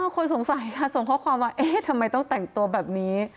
คนสงสัยค่ะส่งข้อความว่าเอ๊ะทำไมต้องแต่งตัวแบบนี้